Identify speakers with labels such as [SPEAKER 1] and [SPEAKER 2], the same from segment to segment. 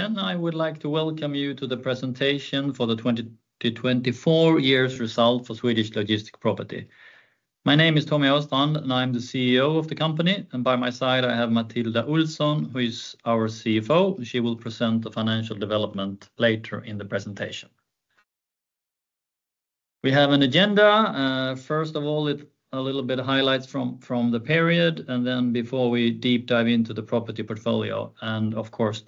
[SPEAKER 1] I would like to welcome you to the presentation for the 2024 years result for Swedish Logistic Property. My name is Tommy Åstrand, and I'm the CEO of the company. By my side, I have Matilda Olsson, who is our CFO. She will present the financial development later in the presentation. We have an agenda. First of all, a little bit of highlights from the period, and then before we deep dive into the property portfolio and, of course,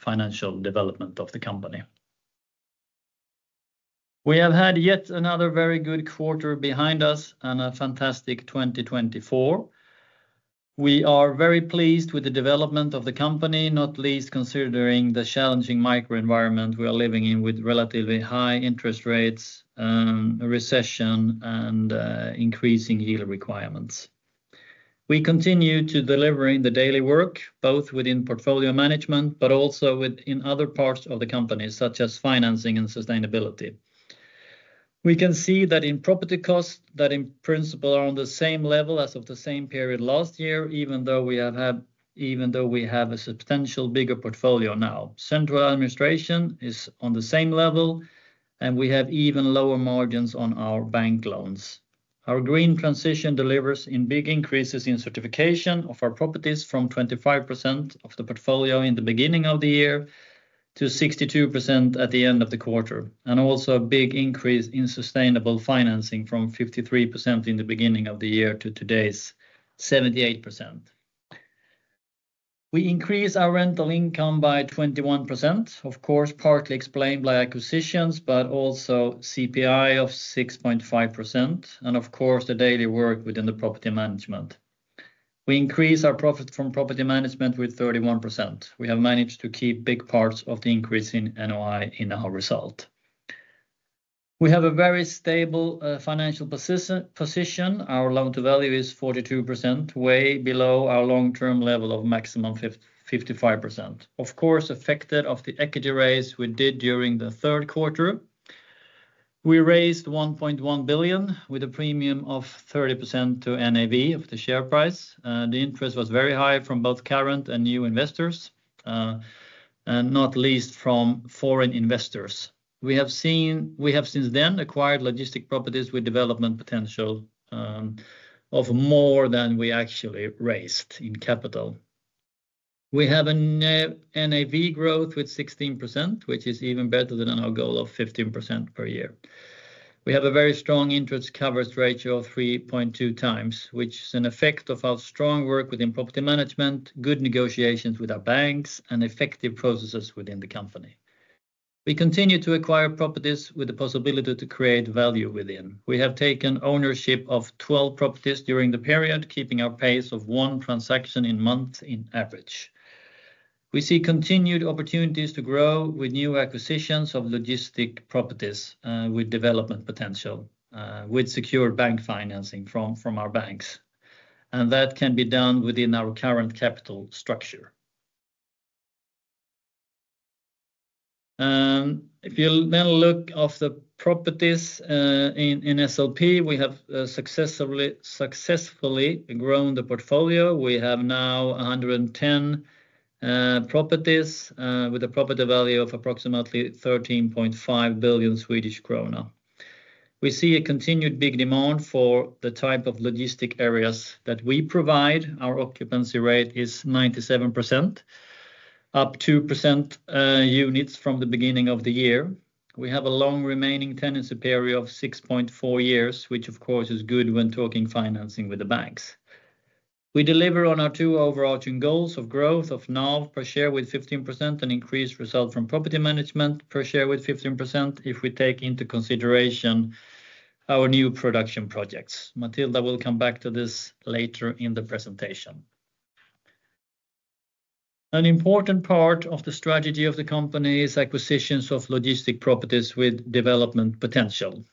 [SPEAKER 1] the financial development of the company. We have had yet another very good quarter behind us and a fantastic 2024. We are very pleased with the development of the company, not least considering the challenging macroenvironment we are living in with relatively high interest rates, a recession, and increasing yield requirements. We continue to deliver in the daily work, both within portfolio management, but also within other parts of the company, such as financing and sustainability. We can see that in property costs that, in principle, are on the same level as of the same period last year, even though we have a substantial bigger portfolio now. Central administration is on the same level, and we have even lower margins on our bank loans. Our green transition delivers in big increases in certification of our properties from 25% of the portfolio in the beginning of the year to 62% at the end of the quarter, and also a big increase in sustainable financing from 53% in the beginning of the year to today's 78%. We increase our rental income by 21%, of course, partly explained by acquisitions, but also CPI of 6.5%, and of course, the daily work within the property management. We increase our profit from property management with 31%. We have managed to keep big parts of the increase in NOI in our result. We have a very stable financial position. Our loan to value is 42%, way below our long-term level of maximum 55%. Of course, affected by the equity raise we did during the third quarter, we raised 1.1 billion with a premium of 30% to NAV of the share price. The interest was very high from both current and new investors, and not least from foreign investors. We have since then acquired logistics properties with development potential of more than we actually raised in capital. We have an NAV growth with 16%, which is even better than our goal of 15% per year. We have a very strong interest coverage ratio of 3.2 times, which is an effect of our strong work within property management, good negotiations with our banks, and effective processes within the company. We continue to acquire properties with the possibility to create value within. We have taken ownership of 12 properties during the period, keeping our pace of one transaction per month on average. We see continued opportunities to grow with new acquisitions of logistics properties with development potential, with secure bank financing from our banks, and that can be done within our current capital structure. If you then look at the properties in SLP, we have successfully grown the portfolio. We have now 110 properties with a property value of approximately 13.5 billion Swedish krona. We see a continued big demand for the type of logistic areas that we provide. Our occupancy rate is 97%, up 2% units from the beginning of the year. We have a long remaining tenancy period of 6.4 years, which, of course, is good when talking financing with the banks. We deliver on our two overarching goals of growth of NAV per share with 15% and increased result from property management per share with 15% if we take into consideration our new production projects. Matilda will come back to this later in the presentation. An important part of the strategy of the company is acquisitions of logistic properties with development potential.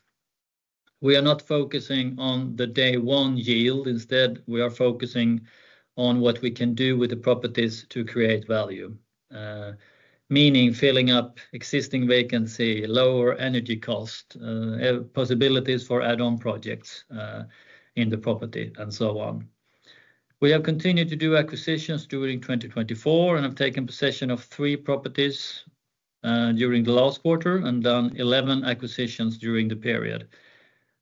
[SPEAKER 1] We are not focusing on the day one yield. Instead, we are focusing on what we can do with the properties to create value, meaning filling up existing vacancy, lower energy cost, possibilities for add-on projects in the property, and so on. We have continued to do acquisitions during 2024 and have taken possession of three properties during the last quarter and done 11 acquisitions during the period.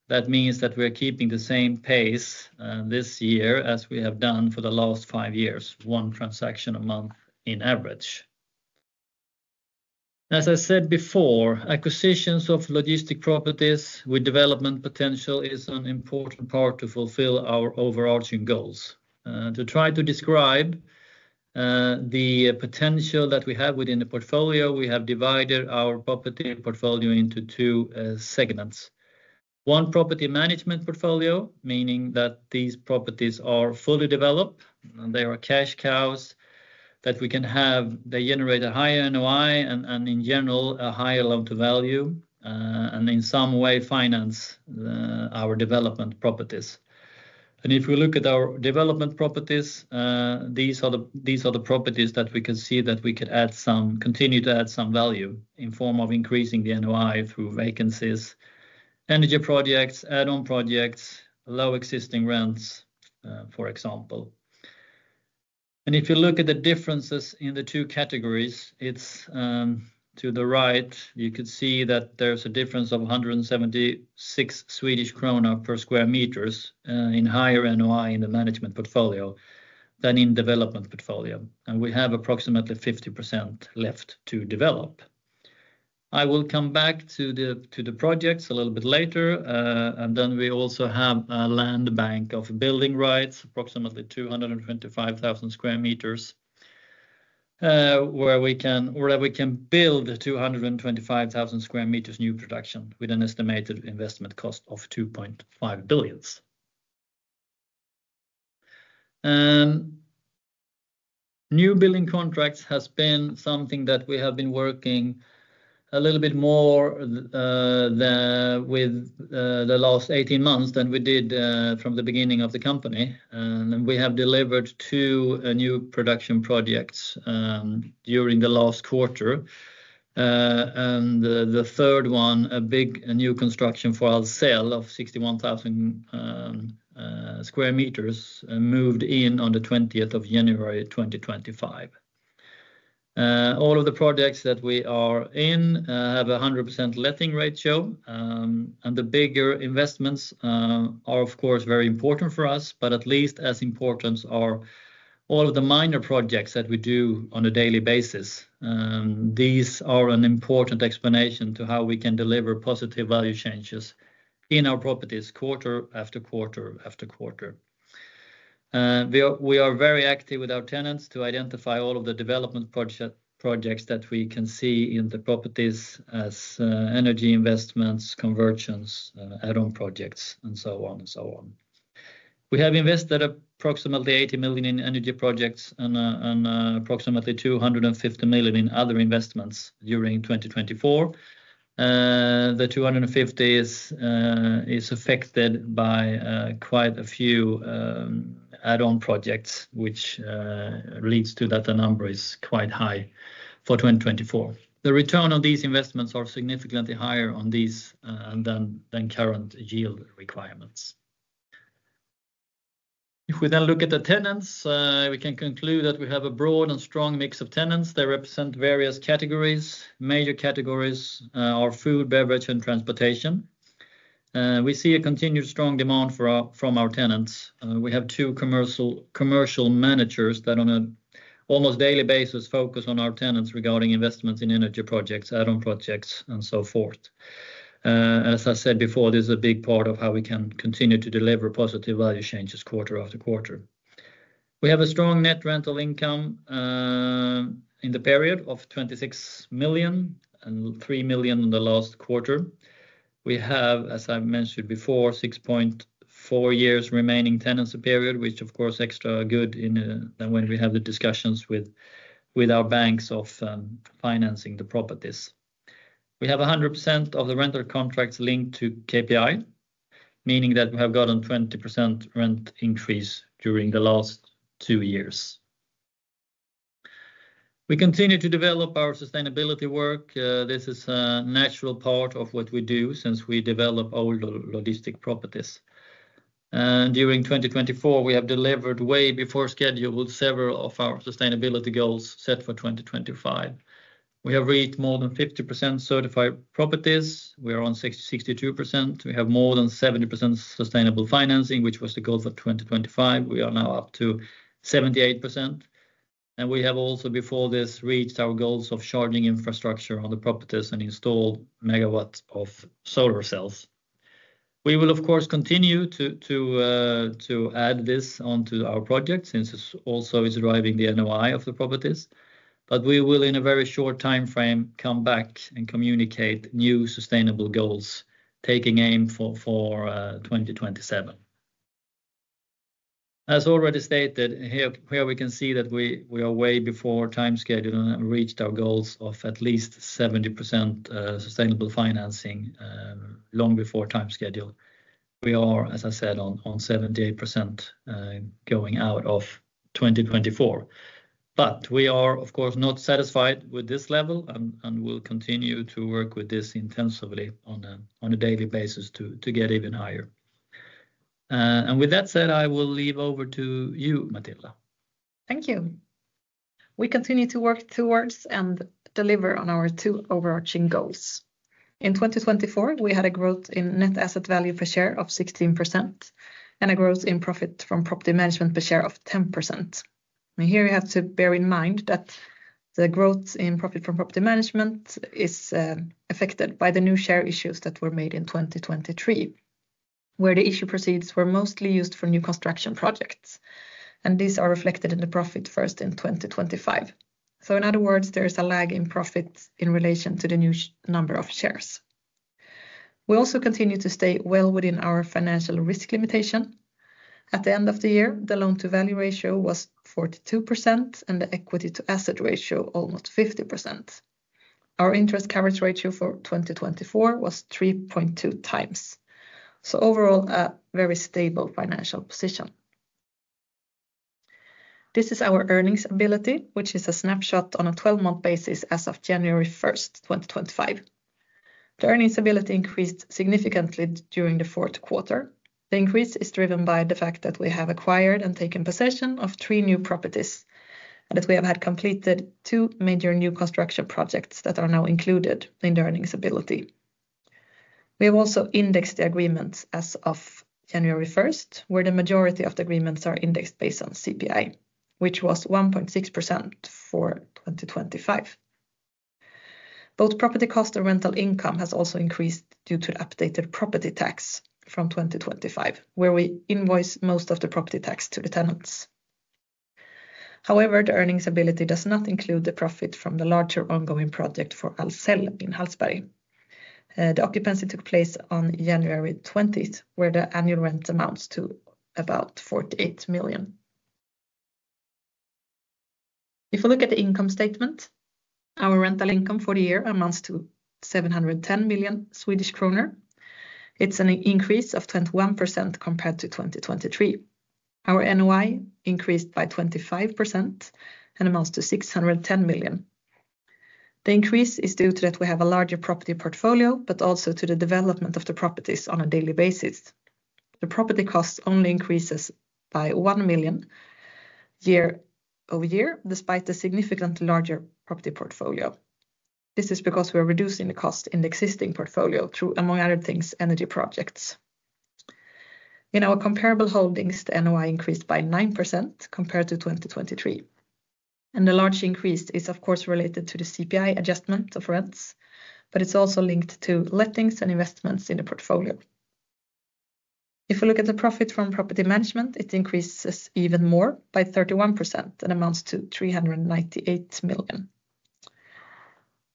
[SPEAKER 1] That means that we are keeping the same pace this year as we have done for the last five years, one transaction a month in average. As I said before, acquisitions of logistics properties with development potential is an important part to fulfill our overarching goals. To try to describe the potential that we have within the portfolio, we have divided our property portfolio into two segments: one property management portfolio, meaning that these properties are fully developed and they are cash cows that we can have. They generate a higher NOI and, in general, a higher loan to value and, in some way, finance our development properties. And if we look at our development properties, these are the properties that we can see that we could add some, continue to add some value in form of increasing the NOI through vacancies, energy projects, add-on projects, low existing rents, for example. And if you look at the differences in the two categories, it's to the right, you could see that there's a difference of 176 Swedish krona per square meters in higher NOI in the management portfolio than in development portfolio. And we have approximately 50% left to develop. I will come back to the projects a little bit later. Then we also have a land bank of building rights, approximately 225,000 square meters, where we can build 225,000 square meters new production with an estimated investment cost of 2.5 billion. New building contracts has been something that we have been working a little bit more with the last 18 months than we did from the beginning of the company. We have delivered two new production projects during the last quarter. The third one, a big new construction for Ahlsell of 61,000 square meters, moved in on the 20th of January 2025. All of the projects that we are in have a 100% letting ratio. The bigger investments are, of course, very important for us, but at least as important are all of the minor projects that we do on a daily basis. These are an important explanation to how we can deliver positive value changes in our properties quarter after quarter after quarter. We are very active with our tenants to identify all of the development projects that we can see in the properties as energy investments, conversions, add-on projects, and so on and so on. We have invested approximately 80 million in energy projects and approximately 250 million in other investments during 2024. The 250 is affected by quite a few add-on projects, which leads to that the number is quite high for 2024. The return on these investments is significantly higher on these than current yield requirements. If we then look at the tenants, we can conclude that we have a broad and strong mix of tenants. They represent various categories. Major categories are food, beverage, and transportation. We see a continued strong demand from our tenants. We have two commercial managers that, on an almost daily basis, focus on our tenants regarding investments in energy projects, add-on projects, and so forth. As I said before, this is a big part of how we can continue to deliver positive value changes quarter after quarter. We have a strong net rental income in the period of 26 million and 3 million in the last quarter. We have, as I mentioned before, 6.4 years remaining tenancy period, which, of course, is extra good than when we have the discussions with our banks of financing the properties. We have 100% of the rental contracts linked to CPI, meaning that we have gotten 20% rent increase during the last two years. We continue to develop our sustainability work. This is a natural part of what we do since we develop all logistic properties. During 2024, we have delivered way before schedule several of our sustainability goals set for 2025. We have reached more than 50% certified properties. We are on 62%. We have more than 70% sustainable financing, which was the goal for 2025. We are now up to 78%. We have also, before this, reached our goals of charging infrastructure on the properties and installed megawatts of solar cells. We will, of course, continue to add this onto our projects since this also is driving the NOI of the properties. We will, in a very short time frame, come back and communicate new sustainable goals taking aim for 2027. As already stated, here we can see that we are way before time schedule and reached our goals of at least 70% sustainable financing long before time schedule. We are, as I said, on 78% going out of 2024. But we are, of course, not satisfied with this level and will continue to work with this intensively on a daily basis to get even higher. And with that said, I will hand over to you, Matilda.
[SPEAKER 2] Thank you. We continue to work towards and deliver on our two overarching goals. In 2024, we had a growth in net asset value per share of 16% and a growth in profit from property management per share of 10%. And here you have to bear in mind that the growth in profit from property management is affected by the new share issues that were made in 2023, where the issue proceeds were mostly used for new construction projects. And these are reflected in the profit first in 2025. So in other words, there is a lag in profit in relation to the new number of shares. We also continue to stay well within our financial risk limitation. At the end of the year, the loan to value ratio was 42% and the equity to asset ratio almost 50%. Our interest coverage ratio for 2024 was 3.2 times. So overall, a very stable financial position. This is our earnings ability, which is a snapshot on a 12-month basis as of January 1st, 2025. The earnings ability increased significantly during the fourth quarter. The increase is driven by the fact that we have acquired and taken possession of three new properties and that we have had completed two major new construction projects that are now included in the earnings ability. We have also indexed the agreements as of January 1st, where the majority of the agreements are indexed based on CPI, which was 1.6% for 2025. Both property cost and rental income has also increased due to the updated property tax from 2025, where we invoice most of the property tax to the tenants. However, the earnings ability does not include the profit from the larger ongoing project for Ahlsell in Hallsberg. The occupancy took place on January 20th, where the annual rent amounts to about 48 million. If we look at the income statement, our rental income for the year amounts to 710 million Swedish kronor. It's an increase of 21% compared to 2023. Our NOI increased by 25% and amounts to 610 million. The increase is due to that we have a larger property portfolio, but also to the development of the properties on a daily basis. The property cost only increases by 1 million year-over-year, despite the significantly larger property portfolio. This is because we are reducing the cost in the existing portfolio through, among other things, energy projects. In our comparable holdings, the NOI increased by 9% compared to 2023, and the large increase is, of course, related to the CPI adjustment of rents, but it's also linked to lettings and investments in the portfolio. If we look at the profit from property management, it increases even more by 31% and amounts to 398 million.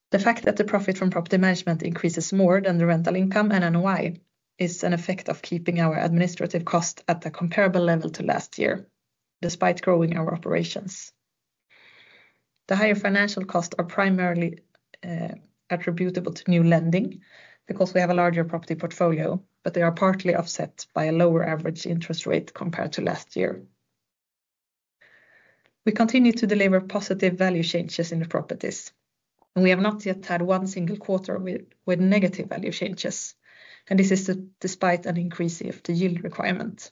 [SPEAKER 2] The fact that the profit from property management increases more than the rental income and NOI is an effect of keeping our administrative cost at the comparable level to last year, despite growing our operations. The higher financial costs are primarily attributable to new lending because we have a larger property portfolio, but they are partly offset by a lower average interest rate compared to last year. We continue to deliver positive value changes in the properties. We have not yet had one single quarter with negative value changes, and this is despite an increase of the yield requirement.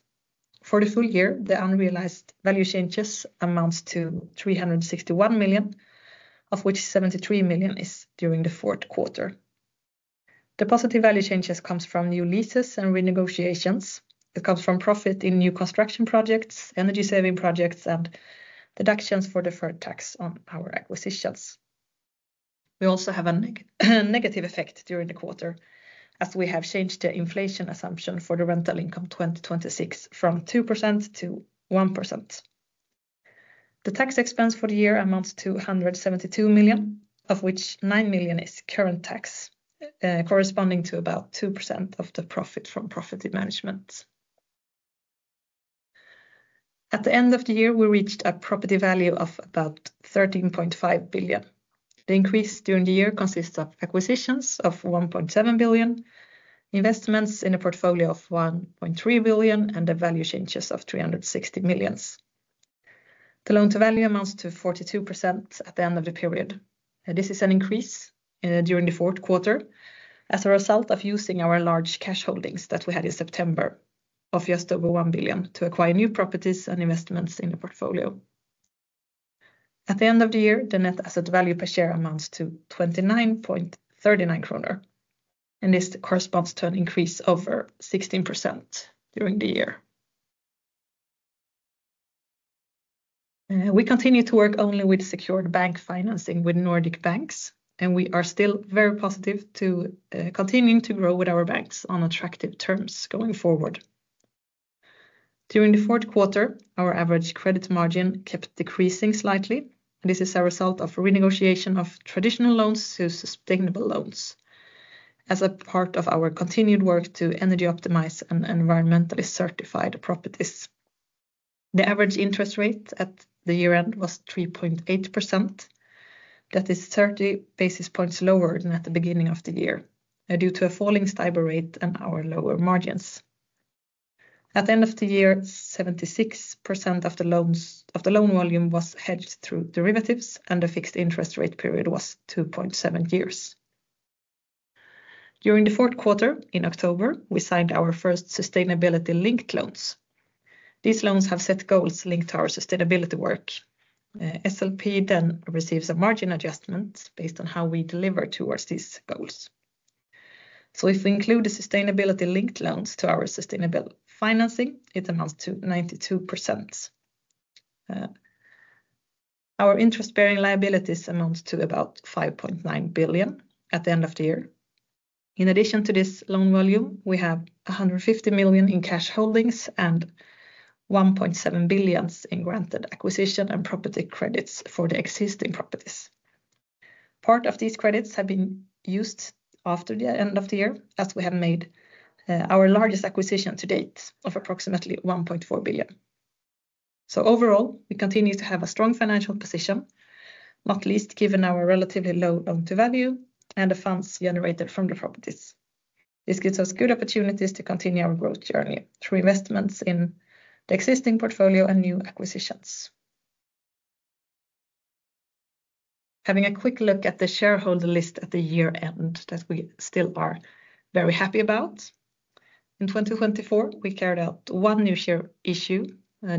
[SPEAKER 2] For the full year, the unrealized value changes amounts to 361 million, of which 73 million is during the fourth quarter. The positive value changes come from new leases and renegotiations. It comes from profit in new construction projects, energy-saving projects, and deductions for deferred tax on our acquisitions. We also have a negative effect during the quarter as we have changed the inflation assumption for the rental income 2026 from 2% to 1%. The tax expense for the year amounts to 172 million, of which 9 million is current tax, corresponding to about 2% of the profit from property management. At the end of the year, we reached a property value of about 13.5 billion. The increase during the year consists of acquisitions of 1.7 billion, investments in a portfolio of 1.3 billion, and the value changes of 360 million. The loan to value amounts to 42% at the end of the period. This is an increase during the fourth quarter as a result of using our large cash holdings that we had in September of just over 1 billion to acquire new properties and investments in the portfolio. At the end of the year, the net asset value per share amounts to 29.39 kronor, and this corresponds to an increase of over 16% during the year. We continue to work only with secured bank financing with Nordic banks, and we are still very positive to continuing to grow with our banks on attractive terms going forward. During the fourth quarter, our average credit margin kept decreasing slightly. This is a result of renegotiation of traditional loans to sustainable loans as a part of our continued work to energy optimize and environmentally certified properties. The average interest rate at the year-end was 3.8%. That is 30 basis points lower than at the beginning of the year due to a falling STIBOR and our lower margins. At the end of the year, 76% of the loan volume was hedged through derivatives, and the fixed interest rate period was 2.7 years. During the fourth quarter, in October, we signed our first sustainability-linked loans. These loans have set goals linked to our sustainability work. SLP then receives a margin adjustment based on how we deliver towards these goals, so if we include the sustainability-linked loans to our sustainable financing, it amounts to 92%. Our interest-bearing liabilities amount to about 5.9 billion at the end of the year. In addition to this loan volume, we have 150 million in cash holdings and 1.7 billion in granted acquisition and property credits for the existing properties. Part of these credits have been used after the end of the year as we have made our largest acquisition to date of approximately 1.4 billion. So overall, we continue to have a strong financial position, not least given our relatively low loan to value and the funds generated from the properties. This gives us good opportunities to continue our growth journey through investments in the existing portfolio and new acquisitions. Having a quick look at the shareholder list at the year-end that we still are very happy about. In 2024, we carried out one new share issue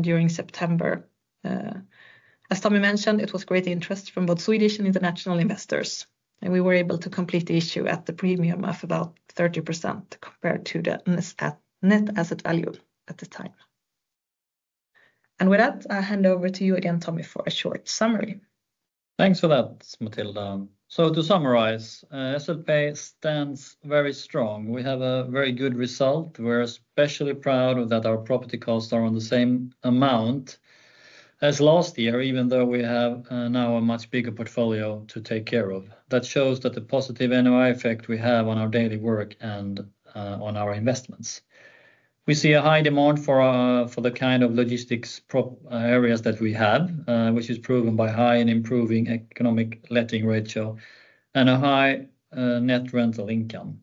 [SPEAKER 2] during September. As Tommy mentioned, it was great interest from both Swedish and international investors. We were able to complete the issue at the premium of about 30% compared to the net asset value at the time. With that, I hand over to you again, Tommy, for a short summary.
[SPEAKER 1] Thanks for that, Matilda. To summarize, SLP stands very strong. We have a very good result. We're especially proud of that our property costs are on the same amount as last year, even though we have now a much bigger portfolio to take care of. That shows that the positive NOI effect we have on our daily work and on our investments. We see a high demand for the kind of logistics areas that we have, which is proven by high and improving economic letting ratio and a high net rental income.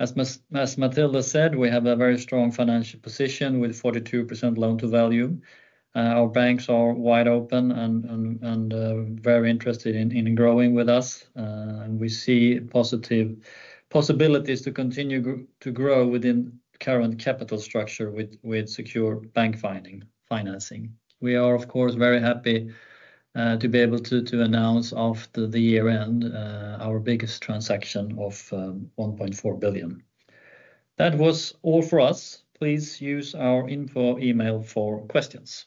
[SPEAKER 1] As Matilda said, we have a very strong financial position with 42% loan to value. Our banks are wide open and very interested in growing with us. And we see positive possibilities to continue to grow within current capital structure with secure bank financing. We are, of course, very happy to be able to announce after the year-end our biggest transaction of 1.4 billion. That was all for us. Please use our info email for questions.